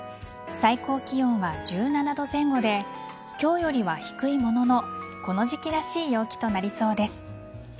最高気温は１７度前後で今日よりは低いもののこの時期らしい陽気となりそうです。